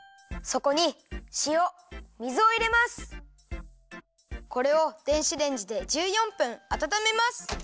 これを電子レンジで１４分あたためます。